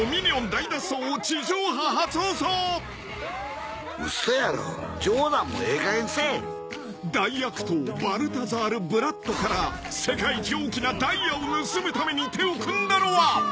［大悪党バルタザール・ブラットから世界一大きなダイヤを盗むために手を組んだのは］